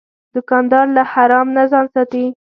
دوکاندار له حرام نه ځان ساتي.